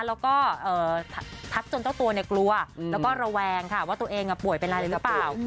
แล้วก็ทักจนเจ้าตัวกลัวแล้วก็ระแวงค่ะว่าตัวเองป่วยเป็นอะไรหรือเปล่า